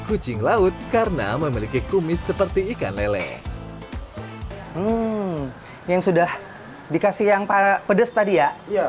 kucing laut karena memiliki kumis seperti ikan lele yang sudah dikasih yang para pedes tadi ya